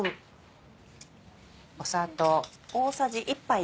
砂糖。